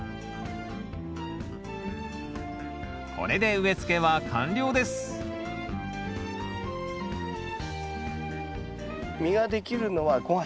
これで植えつけは完了です実ができるのは５月。